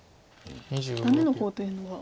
ダメの方というのは。